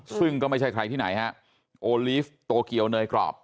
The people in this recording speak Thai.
ซึ่งก็ไม่ใช่ใครที่ไหนฮะโอลีฟโตเกียวเนยกรอบ